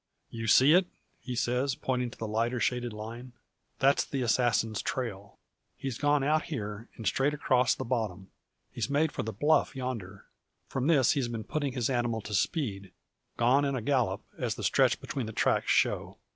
"You see it?" he says, pointing to the lighter shaded line. "That's the assassin's trail. He's gone out here, and straight across the bottom. He's made for the bluff yonder. From this he's been putting his animal to speed; gone in a gallop, as the stretch between the tracks show.